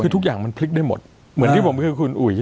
คือทุกอย่างมันพลิกได้หมดเหมือนที่ผมคือคุณอุ๋ย